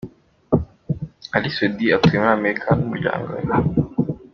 Ally Soudy atuye muri Amerika n'umuryango we.